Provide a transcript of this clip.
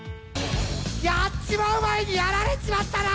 やっちまう前にやられちまったら！